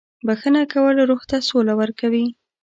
• بښنه کول روح ته سوله ورکوي.